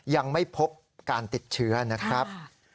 ยังไม่พบการติดเชื้อนะครับ